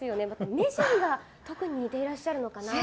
目尻が特に似ていらっしゃるのかなと。